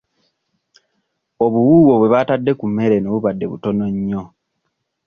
Obuwuuwo bwe baatadde ku mmere eno bubadde butono nnyo.